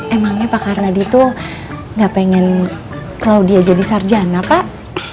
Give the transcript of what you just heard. emangnya pak arnadi tuh gak pengen claudia jadi sarjana pak